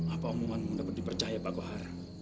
apa umumanmu dapat dipercaya pak guhar